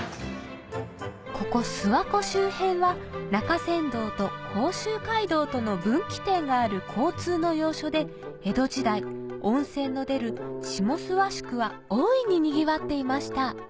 ここ諏訪湖周辺は中山道と甲州街道との分岐点がある交通の要所で江戸時代温泉の出る下諏訪宿は大いににぎわっていました